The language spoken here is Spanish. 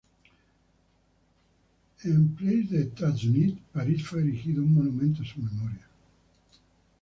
En Place des États-Unis, París, fue erigido un monumento a su memoria.